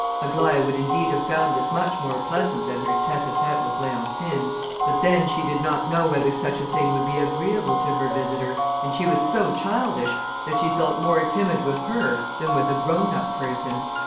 Aglaïa would indeed have found this much more pleasant than her tête à tête with Leontine; but then she did not know whether such a thing would be agreeable to her visitor, and she was so childish, that she felt more timid with her than with a grownup person.